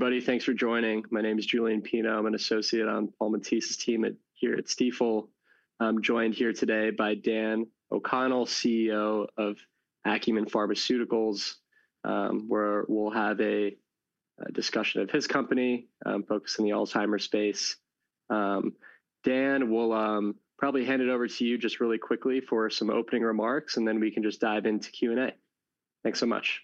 Hello, everybody. Thanks for joining. My name is Julian Pino. I'm an associate on Paul Matisse's team here at Stifel. I'm joined here today by Dan O'Connell, CEO of Acumen Pharmaceuticals, where we'll have a discussion of his company focused on the Alzheimer's space. Dan, we'll probably hand it over to you just really quickly for some opening remarks, and then we can just dive into Q&A. Thanks so much.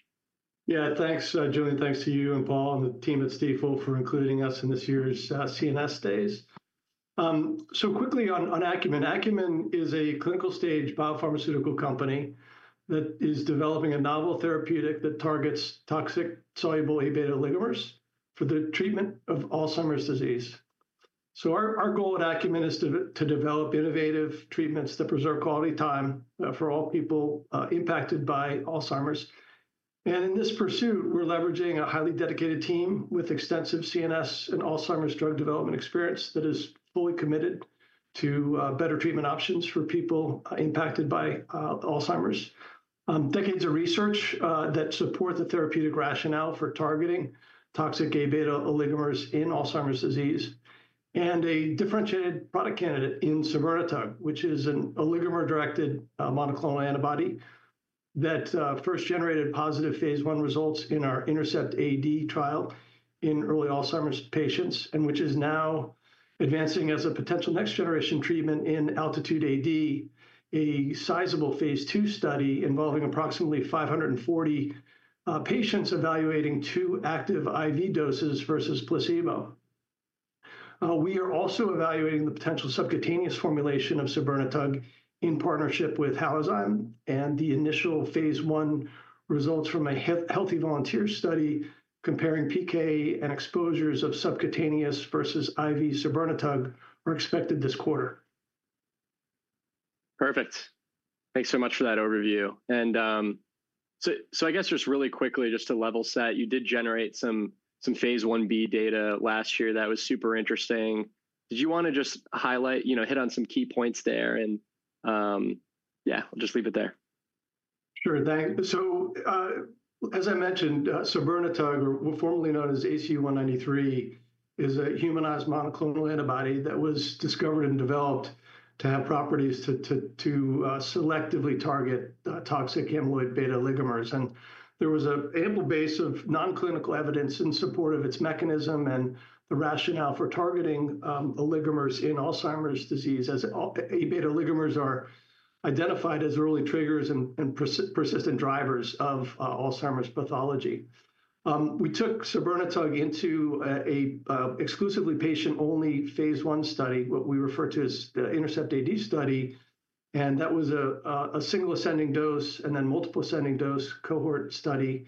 Yeah, thanks, Julian. Thanks to you and Paul and the team at Stifel for including us in this year's CNS days. Quickly on Acumen, Acumen is a clinical stage biopharmaceutical company that is developing a novel therapeutic that targets toxic soluble beta ligand for the treatment of Alzheimer's disease. Our goal at Acumen is to develop innovative treatments that preserve quality time for all people impacted by Alzheimer's. In this pursuit, we're leveraging a highly dedicated team with extensive CNS and Alzheimer's drug development experience that is fully committed to better treatment options for people impacted by Alzheimer's, decades of research that supports the therapeutic rationale for targeting toxic beta ligand in Alzheimer's disease, and a differentiated product candidate in sabirnetug, which is an oligomer-directed monoclonal antibody that first generated phase one results in our INTERCEPT-AD trial in early Alzheimer's patients, and which is now advancing as a potential next generation treatment in ALTITUDE-AD, a sizable phase two study involving approximately 540 patients evaluating two active IV doses versus placebo. We are also evaluating the potential subcutaneous formulation of sabirnetug in partnership with Halozyme, and the phase one results from a healthy volunteer study comparing PK and exposures of subcutaneous versus IV sabirnetug are expected this quarter. Perfect. Thanks so much for that overview. I guess just really quickly, just to level set, you did generate Phase 1b data last year that was super interesting. Did you want to just highlight, you know, hit on some key points there? Yeah, we'll just leave it there. Sure. Thanks. As I mentioned, sabirnetug, formerly known as ACU193, is a humanized monoclonal antibody that was discovered and developed to have properties to selectively target toxic amyloid beta oligomers. There was an ample base of nonclinical evidence in support of its mechanism and the rationale for targeting oligomers in Alzheimer's disease, as beta ligands are identified as early triggers and persistent drivers of Alzheimer's pathology. We took sabirnetug into an exclusively phase I study, what we refer to as the INTERCEPT-AD study, and that was a single ascending dose and then multiple ascending dose cohort study.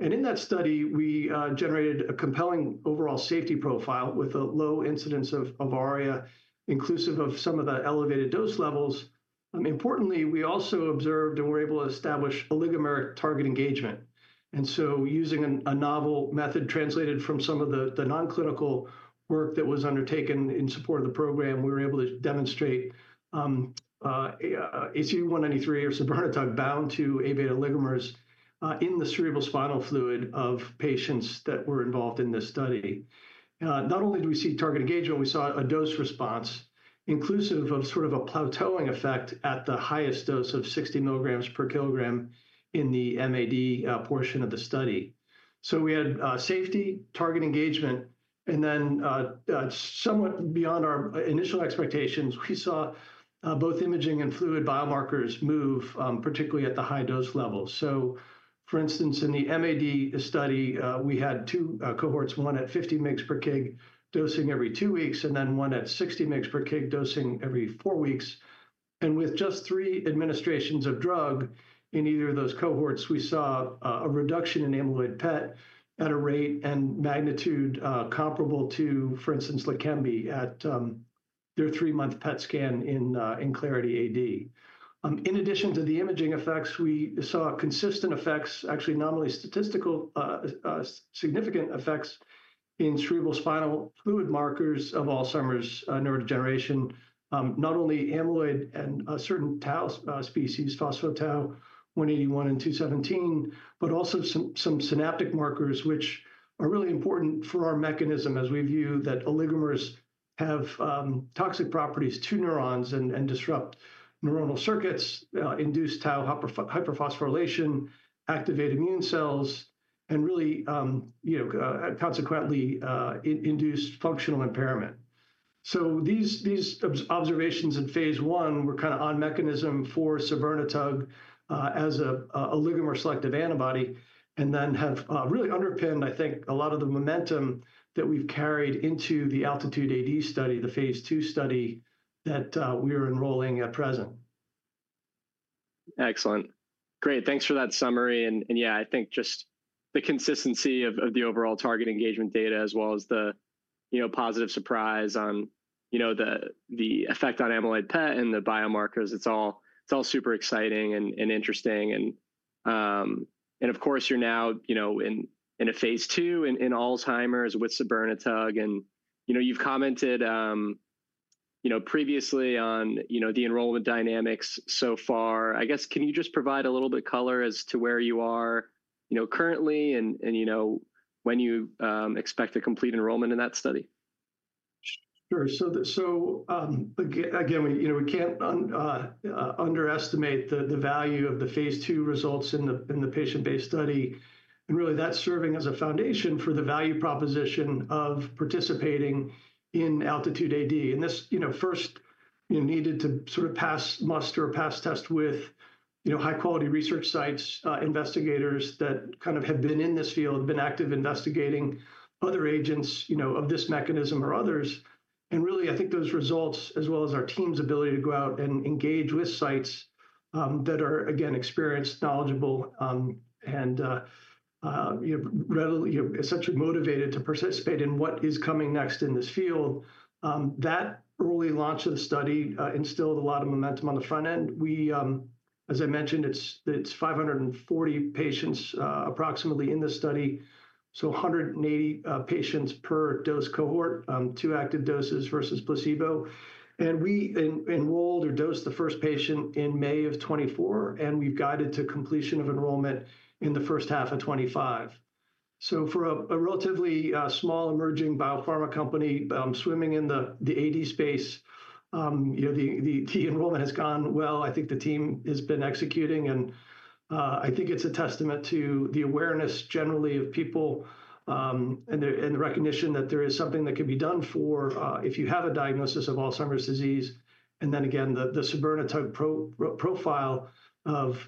In that study, we generated a compelling overall safety profile with a low incidence of ARIA, inclusive of some of the elevated dose levels. Importantly, we also observed and were able to establish oligomeric target engagement. Using a novel method translated from some of the nonclinical work that was undertaken in support of the program, we were able to demonstrate sabirnetug, or ACU193, bound to a beta ligand in the cerebrospinal fluid of patients that were involved in this study. Not only did we see target engagement, we saw a dose response inclusive of sort of a plateauing effect at the highest dose of 60 mg per kg in the MAD portion of the study. We had safety, target engagement, and then somewhat beyond our initial expectations, we saw both imaging and fluid biomarkers move, particularly at the high dose levels. For instance, in the MAD study, we had two cohorts, one at 50 mg per kg dosing every 2 weeks and then one at 60 mg per kg dosing every 4 weeks. With just 3 administrations of drug in either of those cohorts, we saw a reduction in amyloid PET at a rate and magnitude comparable to, for instance, Leqembi at their three-month PET scan in Clarity AD. In addition to the imaging effects, we saw consistent effects, actually nominally statistical, significant effects in cerebrospinal fluid markers of Alzheimer's neurodegeneration, not only amyloid and certain tau species, phospho-tau 181 and 217, but also some synaptic markers, which are really important for our mechanism as we view that oligomers have toxic properties to neurons and disrupt neuronal circuits, induce tau hyperphosphorylation, activate immune cells, and really, you know, consequently induce functional impairment. These observations phase one were kind of on mechanism for sabirnetug as an oligomer-selective antibody and then have really underpinned, I think, a lot of the momentum that we've carried into the ALTITUDE-AD study, the phase II study that we are enrolling at present. Excellent. Great. Thanks for that summary. Yeah, I think just the consistency of the overall target engagement data as well as the, you know, positive surprise on, you know, the effect on amyloid PET and the biomarkers, it's all super exciting and interesting. Of course, you're now, you know, in a phase II in Alzheimer's with sabirnetug. You've commented, you know, previously on, you know, the enrollment dynamics so far. I guess, can you just provide a little bit of color as to where you are, you know, currently and, you know, when you expect a complete enrollment in that study? Sure. Again, you know, we can't underestimate the value of the phase II results in the patient-based study and really that serving as a foundation for the value proposition of participating in ALTITUDE-AD. This, you know, first, you know, needed to sort of pass muster or pass test with, you know, high-quality research sites, investigators that kind of have been in this field, been active investigating other agents, you know, of this mechanism or others. Really, I think those results, as well as our team's ability to go out and engage with sites that are, again, experienced, knowledgeable, and, you know, essentially motivated to participate in what is coming next in this field, that early launch of the study instilled a lot of momentum on the front end. We, as I mentioned, it's 540 patients approximately in the study, so 180 patients per dose cohort, two active doses versus placebo. We enrolled or dosed the first patient in May of 2024, and we've guided to completion of enrollment in the first half of 2025. For a relatively small emerging biopharma company swimming in the AD space, you know, the enrollment has gone well. I think the team has been executing, and I think it's a testament to the awareness generally of people and the recognition that there is something that can be done for if you have a diagnosis of Alzheimer's disease. Then again, the sabirnetug profile of,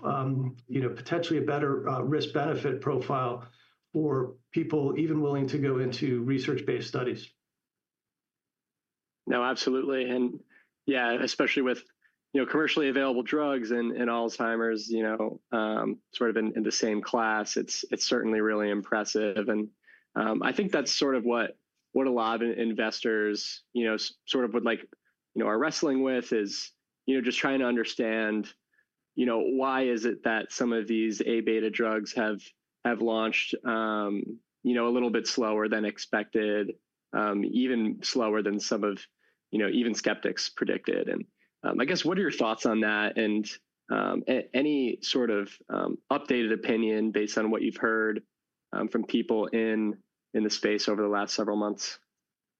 you know, potentially a better risk-benefit profile for people even willing to go into research-based studies. No, absolutely. Yeah, especially with, you know, commercially available drugs and Alzheimer's, you know, sort of in the same class, it's certainly really impressive. I think that's sort of what a lot of investors, you know, sort of would like, you know, are wrestling with is, you know, just trying to understand, you know, why is it that some of these A beta drugs have launched, you know, a little bit slower than expected, even slower than some of, you know, even skeptics predicted. I guess, what are your thoughts on that and any sort of updated opinion based on what you've heard from people in the space over the last several months?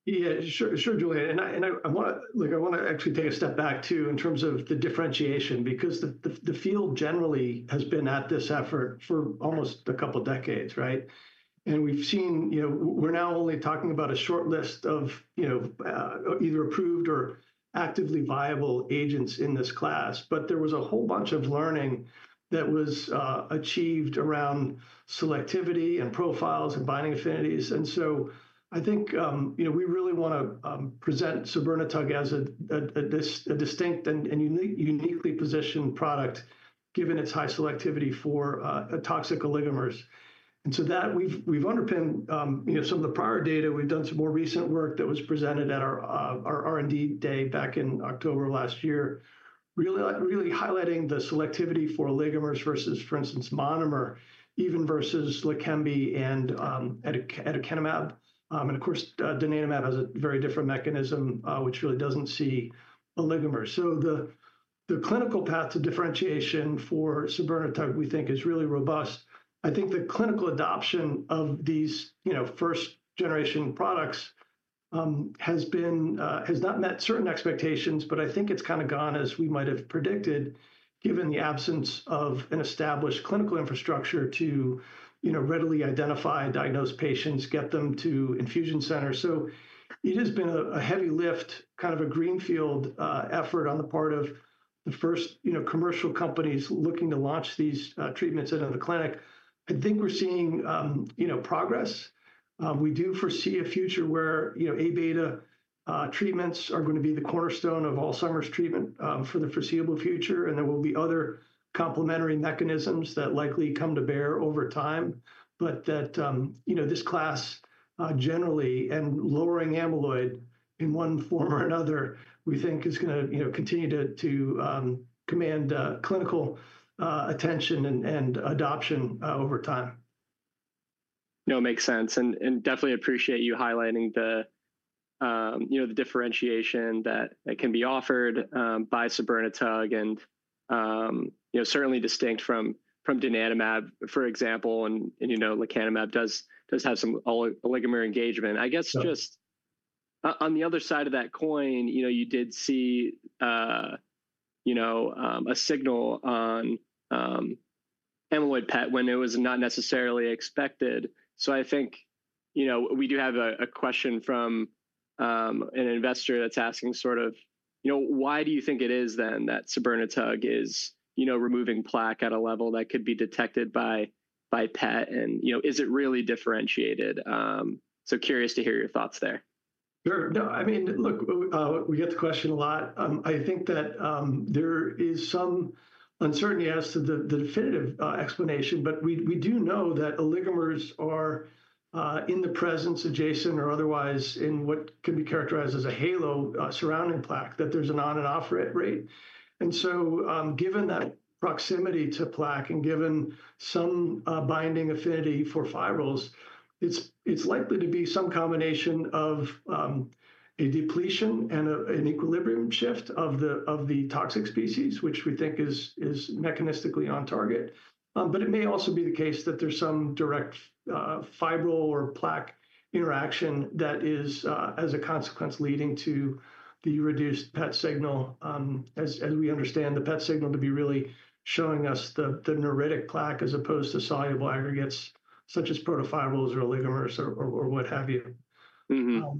Yeah, sure, Julian. I want to actually take a step back too in terms of the differentiation because the field generally has been at this effort for almost a couple of decades, right? We've seen, you know, we're now only talking about a short list of, you know, either approved or actively viable agents in this class, but there was a whole bunch of learning that was achieved around selectivity and profiles and binding affinities. I think, you know, we really want to present sabirnetug as a distinct and uniquely positioned product given its high selectivity for toxic oligomers. That we've underpinned, you know, some of the prior data. We've done some more recent work that was presented at our R&D day back in October last year, really highlighting the selectivity for oligomers versus, for instance, monomer, even versus Leqembi and aducanumab. Of course, donanemab has a very different mechanism, which really does not see oligomers. The clinical path to differentiation for sabirnetug, we think, is really robust. I think the clinical adoption of these, you know, first-generation products has not met certain expectations, but I think it has kind of gone as we might have predicted given the absence of an established clinical infrastructure to, you know, readily identify diagnosed patients, get them to infusion centers. It has been a heavy lift, kind of a greenfield effort on the part of the first, you know, commercial companies looking to launch these treatments into the clinic. I think we're seeing, you know, progress. We do foresee a future where, you know, A beta treatments are going to be the cornerstone of Alzheimer's treatment for the foreseeable future. There will be other complementary mechanisms that likely come to bear over time, but that, you know, this class generally and lowering amyloid in one form or another, we think is going to, you know, continue to command clinical attention and adoption over time. No, makes sense. I definitely appreciate you highlighting the, you know, the differentiation that can be offered by sabirnetug and, you know, certainly distinct from donanemab, for example. You know, Leqembi does have some oligomer engagement. I guess just on the other side of that coin, you know, you did see, you know, a signal on amyloid PET when it was not necessarily expected. I think, you know, we do have a question from an investor that's asking sort of, you know, why do you think it is then that sabirnetug is, you know, removing plaque at a level that could be detected by PET? You know, is it really differentiated? Curious to hear your thoughts there. Sure. No, I mean, look, we get the question a lot. I think that there is some uncertainty as to the definitive explanation, but we do know that oligomers are in the presence, adjacent or otherwise in what can be characterized as a halo surrounding plaque, that there's an on and off rate. Given that proximity to plaque and given some binding affinity for fibrils, it's likely to be some combination of a depletion and an equilibrium shift of the toxic species, which we think is mechanistically on target. It may also be the case that there's some direct fibril or plaque interaction that is, as a consequence, leading to the reduced PET signal, as we understand the PET signal to be really showing us the neuritic plaque as opposed to soluble aggregates such as protofibrils or oligomers or what have you. I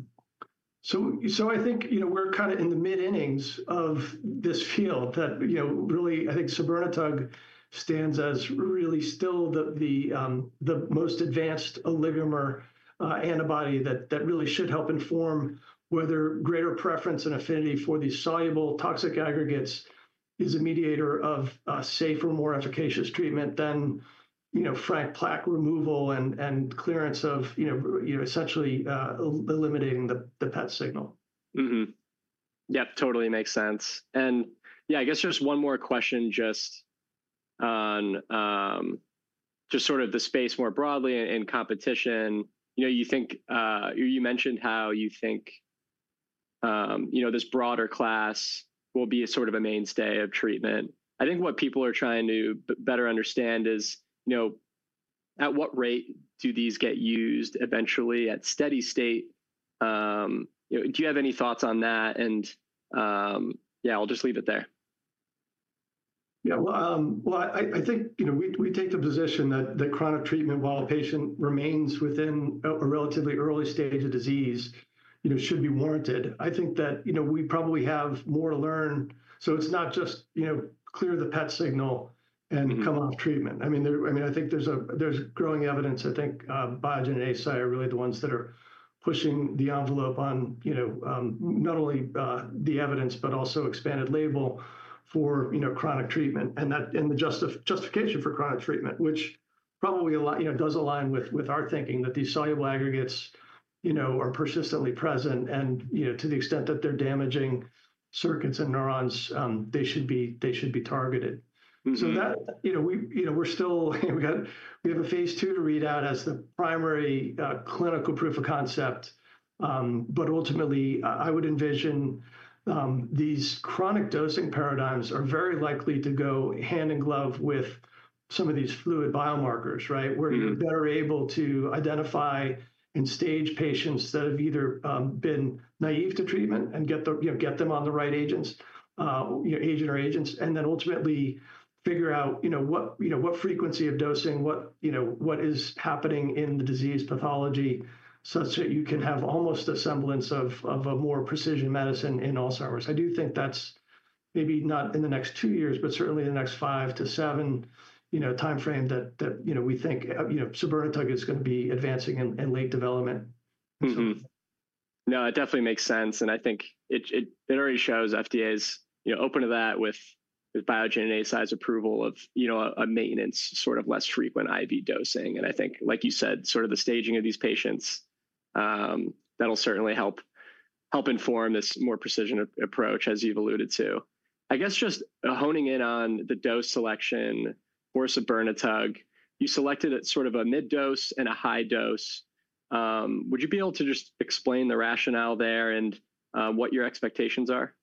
think, you know, we're kind of in the mid-innings of this field that, you know, really I think sabirnetug stands as really still the most advanced oligomer antibody that really should help inform whether greater preference and affinity for these soluble toxic aggregates is a mediator of safer more efficacious treatment than, you know, frank plaque removal and clearance of, you know, essentially eliminating the PET signal. Yeah, totally makes sense. Yeah, I guess just one more question just on just sort of the space more broadly in competition. You know, you think you mentioned how you think, you know, this broader class will be sort of a mainstay of treatment. I think what people are trying to better understand is, you know, at what rate do these get used eventually at steady state? You know, do you have any thoughts on that? Yeah, I'll just leave it there. Yeah, I think, you know, we take the position that chronic treatment while a patient remains within a relatively early stage of disease, you know, should be warranted. I think that, you know, we probably have more to learn. It is not just, you know, clear the PET signal and come off treatment. I mean, I think there is growing evidence, I think Biogen and Eisai are really the ones that are pushing the envelope on, you know, not only the evidence, but also expanded label for, you know, chronic treatment and the justification for chronic treatment, which probably, you know, does align with our thinking that these soluble aggregates, you know, are persistently present. And, you know, to the extent that they are damaging circuits and neurons, they should be targeted. That, you know, we're still, we have a phase II to read out as the primary clinical proof of concept. Ultimately, I would envision these chronic dosing paradigms are very likely to go hand in glove with some of these fluid biomarkers, right? Where you're better able to identify and stage patients that have either been naive to treatment and get them on the right agents, you know, agent or agents, and then ultimately figure out, you know, what frequency of dosing, what is happening in the disease pathology such that you can have almost a semblance of a more precision medicine in Alzheimer's. I do think that's maybe not in the next two years, but certainly in the next five to seven, you know, timeframe that, you know, we think, you know, sabirnetug is going to be advancing in late development. No, it definitely makes sense. I think it already shows FDA is, you know, open to that with Biogen and Eisai's approval of, you know, a maintenance sort of less frequent IV dosing. I think, like you said, sort of the staging of these patients, that'll certainly help inform this more precision approach as you've alluded to. I guess just honing in on the dose selection for sabirnetug, you selected sort of a mid-dose and a high dose. Would you be able to just explain the rationale there and what your expectations are?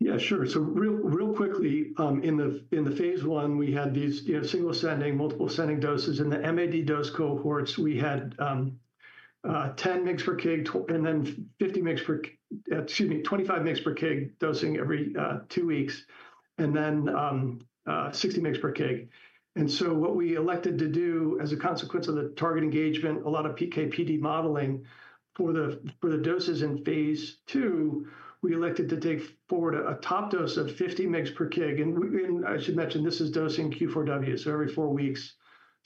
Yeah, sure. So real quickly, in phase I, we had these single-ascending, multiple-ascending doses. In the MAD dose cohorts, we had 10 mg per kg and then 25 mg per kg dosing every two weeks and then 60 mg per kg. What we elected to do as a consequence of the target engagement, a lot of PK/PD modeling for the doses in phase two, we elected to take forward a top dose of 50 mg per kg. I should mention this is dosing Q4W, so every four weeks.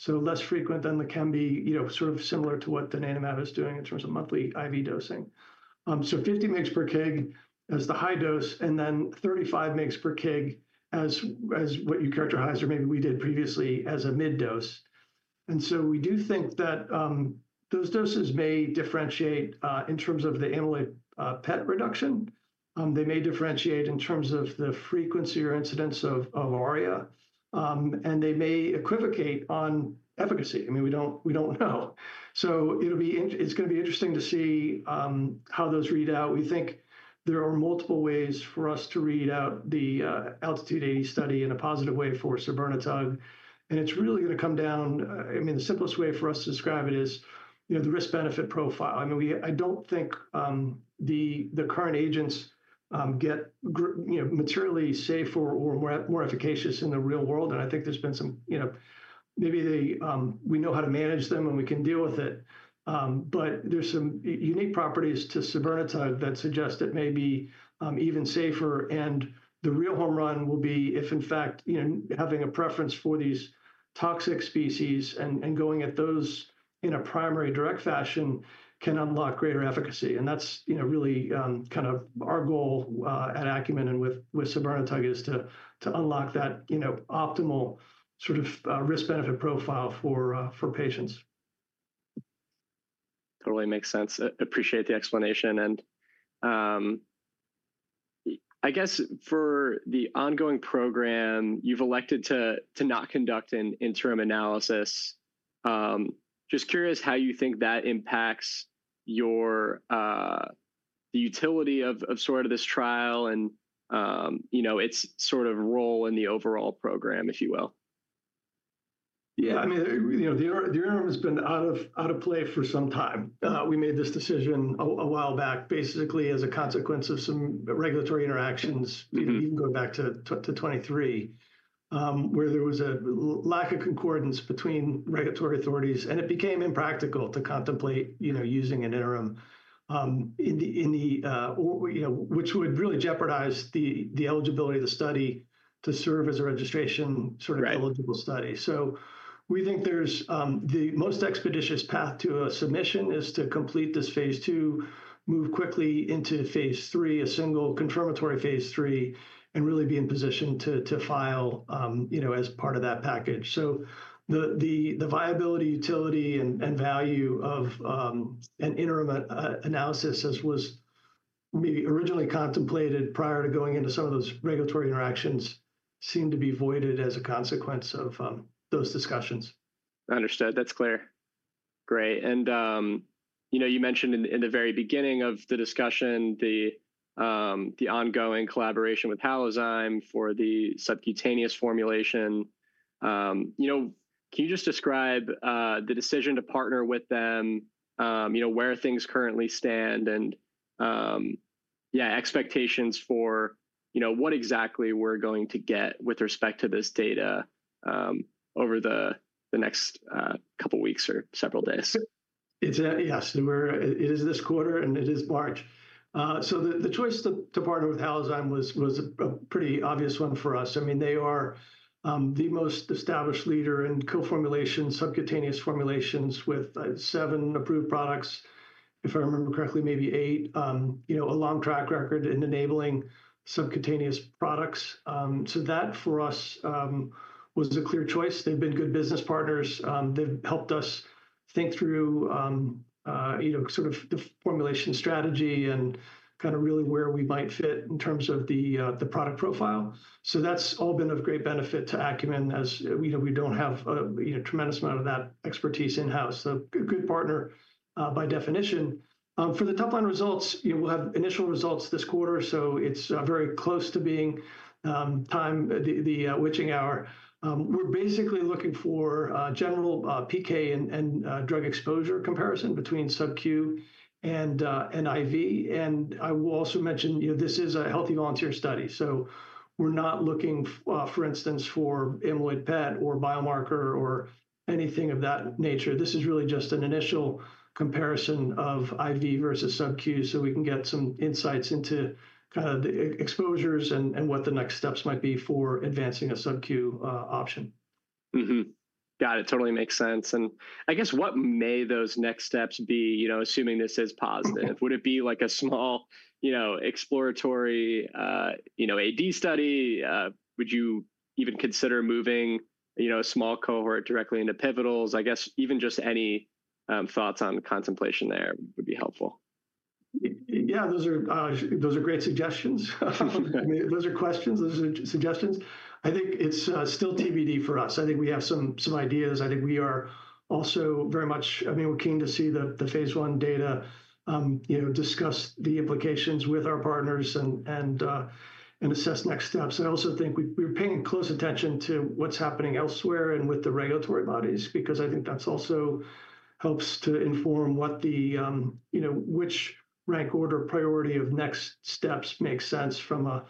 Less frequent than Leqembi, you know, sort of similar to what donanemab is doing in terms of monthly IV dosing. So 50 mg per kg as the high dose and then 35 mg per kg as what you characterized or maybe we did previously as a mid-dose. We do think that those doses may differentiate in terms of the amyloid PET reduction. They may differentiate in terms of the frequency or incidence of ARIA. They may equivocate on efficacy. I mean, we do not know. It is going to be interesting to see how those read out. We think there are multiple ways for us to read out the ALTITUDE-AD study in a positive way for sabirnetug. It is really going to come down, I mean, the simplest way for us to describe it is, you know, the risk-benefit profile. I do not think the current agents get, you know, materially safer or more efficacious in the real world. I think there has been some, you know, maybe we know how to manage them and we can deal with it. There are some unique properties to sabirnetug that suggest it may be even safer. The real home run will be if, in fact, you know, having a preference for these toxic species and going at those in a primary direct fashion can unlock greater efficacy. That is, you know, really kind of our goal at Acumen and with sabirnetug, to unlock that, you know, optimal sort of risk-benefit profile for patients. Totally makes sense. Appreciate the explanation. I guess for the ongoing program, you've elected to not conduct an interim analysis. Just curious how you think that impacts the utility of sort of this trial and, you know, its sort of role in the overall program, if you will. Yeah, I mean, you know, the interim has been out of play for some time. We made this decision a while back basically as a consequence of some regulatory interactions, even going back to 2023, where there was a lack of concordance between regulatory authorities. It became impractical to contemplate, you know, using an interim in the, you know, which would really jeopardize the eligibility of the study to serve as a registration sort of eligible study. We think there's the most expeditious path to a submission is to complete this phase II, move quickly phase III, a single phase III, and really be in position to file, you know, as part of that package. The viability, utility, and value of an interim analysis as was maybe originally contemplated prior to going into some of those regulatory interactions seemed to be voided as a consequence of those discussions. Understood. That's clear. Great. You know, you mentioned in the very beginning of the discussion, the ongoing collaboration with Halozyme for the subcutaneous formulation. You know, can you just describe the decision to partner with them, you know, where things currently stand and, yeah, expectations for, you know, what exactly we're going to get with respect to this data over the next couple of weeks or several days? Yes, it is this quarter and it is March. The choice to partner with Halozyme was a pretty obvious one for us. I mean, they are the most established leader in co-formulation, subcutaneous formulations with 7 approved products, if I remember correctly, maybe 8, you know, a long track record in enabling subcutaneous products. That for us was a clear choice. They've been good business partners. They've helped us think through, you know, sort of the formulation strategy and kind of really where we might fit in terms of the product profile. That's all been of great benefit to Acumen as, you know, we don't have a tremendous amount of that expertise in-house. A good partner by definition. For the top line results, you know, we'll have initial results this quarter. It is very close to being time, the witching hour. We're basically looking for general PK and drug exposure comparison between subQ and IV. I will also mention, you know, this is a healthy volunteer study. We're not looking, for instance, for amyloid PET or biomarker or anything of that nature. This is really just an initial comparison of IV versus subQ so we can get some insights into kind of the exposures and what the next steps might be for advancing a subQ option. Got it. Totally makes sense. I guess what may those next steps be, you know, assuming this is positive? Would it be like a small, you know, exploratory, you know, AD study? Would you even consider moving, you know, a small cohort directly into pivotals? I guess even just any thoughts on contemplation there would be helpful. Yeah, those are great suggestions. Those are questions, those are suggestions. I think it's still TBD for us. I think we have some ideas. I think we are also very much, I mean, we're keen to see phase I data, you know, discuss the implications with our partners and assess next steps. I also think we're paying close attention to what's happening elsewhere and with the regulatory bodies because I think that also helps to inform what the, you know, which rank order priority of next steps makes sense from a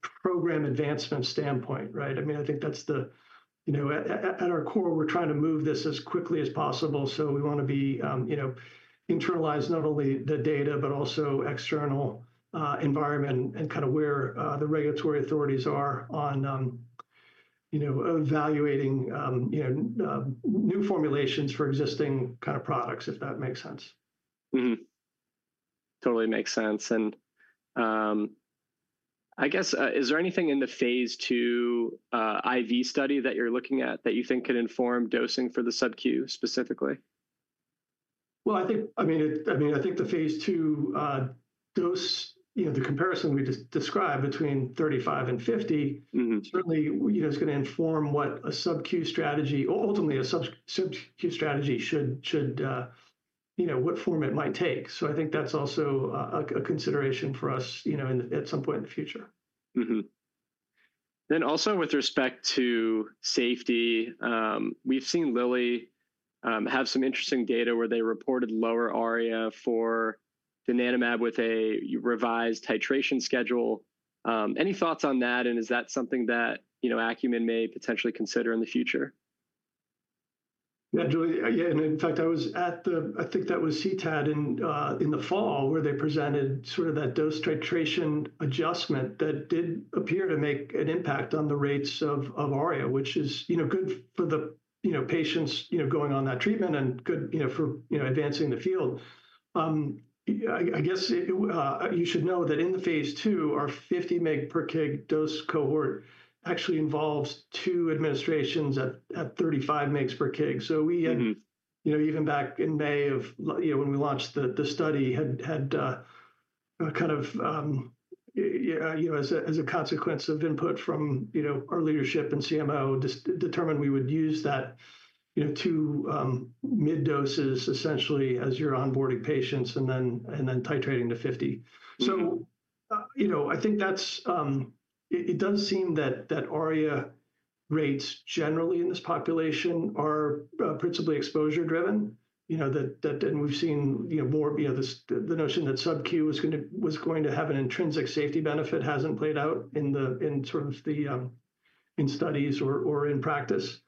program advancement standpoint, right? I mean, I think that's the, you know, at our core, we're trying to move this as quickly as possible. We want to be, you know, internalize not only the data, but also external environment and kind of where the regulatory authorities are on, you know, evaluating, you know, new formulations for existing kind of products, if that makes sense. Totally makes sense. I guess, is there anything in the phase II, IV study that you're looking at that you think could inform dosing for the subQ specifically? I think, I mean, I think the phase II dose, you know, the comparison we just described between 35 and 50, certainly, you know, is going to inform what a subQ strategy, ultimately a subQ strategy should, you know, what form it might take. I think that's also a consideration for us, you know, at some point in the future. Also with respect to safety, we've seen Lilly have some interesting data where they reported lower ARIA for donanemab with a revised titration schedule. Any thoughts on that? Is that something that, you know, Acumen may potentially consider in the future? Yeah, Julian, yeah, and in fact, I was at the, I think that was CTAD in the fall where they presented sort of that dose titration adjustment that did appear to make an impact on the rates of ARIA, which is, you know, good for the, you know, patients, you know, going on that treatment and good, you know, for, you know, advancing the field. I guess you should know that in the phase two, our 50 mg per kg dose cohort actually involves two administrations at 35 mg per kg. So we, you know, even back in May of, you know, when we launched the study had kind of, you know, as a consequence of input from, you know, our leadership and CMO determined we would use that, you know, 2 mid-doses essentially as you're onboarding patients and then titrating to 50. You know, I think that's, it does seem that ARIA rates generally in this population are principally exposure driven, you know, that, and we've seen, you know, more, you know, the notion that subQ was going to have an intrinsic safety benefit hasn't played out in the, in sort of the, in studies or in practice.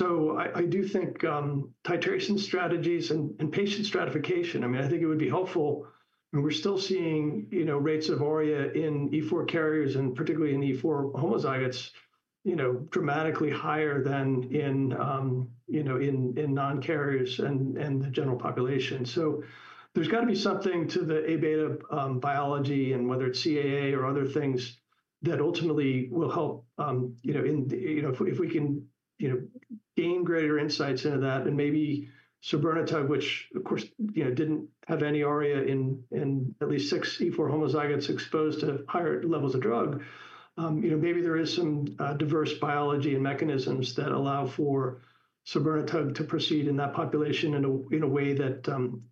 I do think titration strategies and patient stratification, I mean, I think it would be helpful. And we're still seeing, you know, rates of ARIA in E4 carriers and particularly in E4 homozygotes, you know, dramatically higher than in, you know, in non-carriers and the general population. There's got to be something to the A beta biology and whether it's CAA or other things that ultimately will help, you know, if we can, you know, gain greater insights into that and maybe sabirnetug, which of course, you know, didn't have any ARIA in at least six E4 homozygotes exposed to higher levels of drug, you know, maybe there is some diverse biology and mechanisms that allow for sabirnetug to proceed in that population in a way that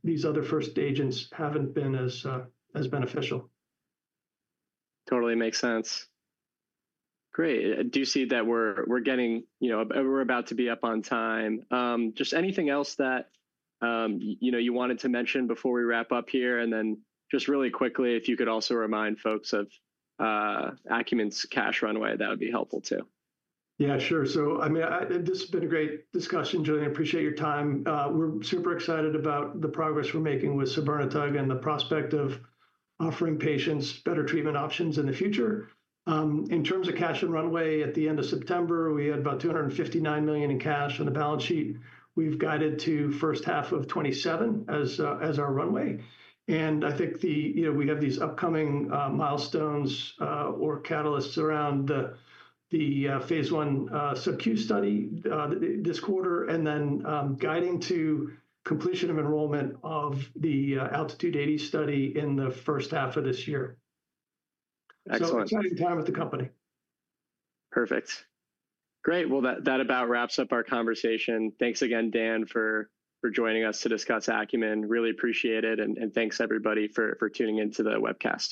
these other first agents haven't been as beneficial. Totally makes sense. Great. Do you see that we're getting, you know, we're about to be up on time. Just anything else that, you know, you wanted to mention before we wrap up here? Just really quickly, if you could also remind folks of Acumen's cash runway, that would be helpful too. Yeah, sure. I mean, this has been a great discussion, Julian. I appreciate your time. We're super excited about the progress we're making with sabirnetug and the prospect of offering patients better treatment options in the future. In terms of cash and runway, at the end of September, we had about $259 million in cash on the balance sheet. We've guided to first half of 2027 as our runway. I think, you know, we have these upcoming milestones or catalysts around phase I subQ study this quarter and then guiding to completion of enrollment of the ALTITUDE-AD study in the first half of this year. Excellent. Excellent time with the company. Perfect. Great. That about wraps up our conversation. Thanks again, Dan, for joining us to discuss Acumen. Really appreciate it. Thanks everybody for tuning into the webcast.